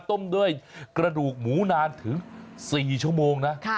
ต้มด้วยกระดูกหมูนานถึง๔ชั่วโมงนะ